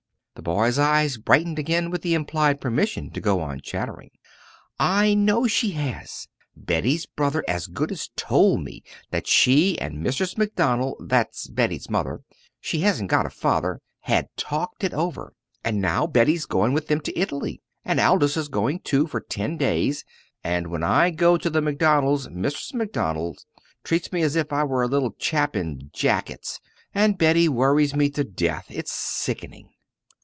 The boy's eye brightened again with the implied permission to go on chattering. "I know she has! Betty's brother as good as told me that she and Mrs. Macdonald that's Betty's mother she hasn't got a father had talked it over. And now Betty's going with them to Italy, and Aldous is going too for ten days and when I go to the Macdonalds Mrs. Macdonald treats me as if I were a little chap in jackets, and Betty worries me to death. It's sickening!"